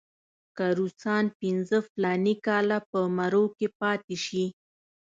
که روسان پنځه فلاني کاله په مرو کې پاتې شي.